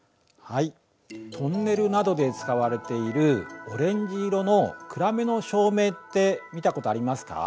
トンネルなどで使われているオレンジ色の暗めの照明って見たことありますか？